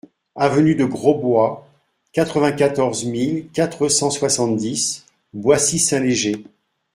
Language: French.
Avenue de Grosbois, quatre-vingt-quatorze mille quatre cent soixante-dix Boissy-Saint-Léger